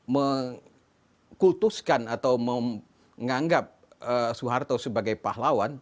mengkultuskan atau menganggap soeharto sebagai pahlawan